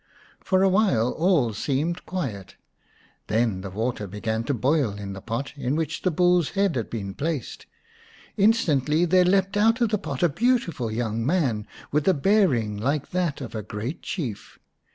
For a while all seemed quiet. Then the water began to boil in the pot in which the bull's head had been placed. Instantly there leaped out of the pot a beautiful young man, with a bearing like that of a great Chief.